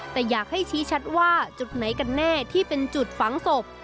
แต่อยากให้ชี้ชัดว่าจุดไหนกันแน่ที่เป็นจุดฝังศพ